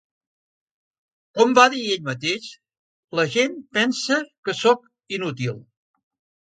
Com va dir ell mateix: la gent pensa que soc inútil.